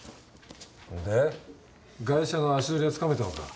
でガイシャの足取りはつかめたのか？